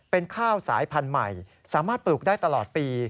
เป็นข้าวสายพันธุ์ใหม่สามารถปลูกได้ตลอดปี